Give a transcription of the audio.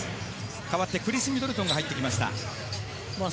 代わってクリス・ミドルトンが入ってきました。